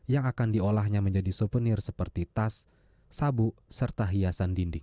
yang akan diolahnya menjadi souvenir seperti tas sabuk serta hiasan dinding